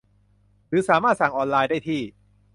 หรือสามารถสั่งออนไลน์ได้ที่